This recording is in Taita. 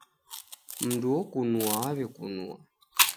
Mndu okunua waw'ekunua.